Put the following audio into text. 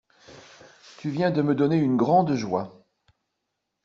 Tu viens de me donner une grande joie.